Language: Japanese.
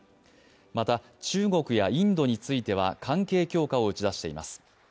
また中国やインドについては関係強化を打ち出しています。